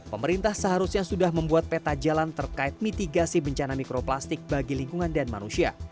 pemerintah seharusnya sudah membuat peta jalan terkait mitigasi bencana mikroplastik bagi lingkungan dan manusia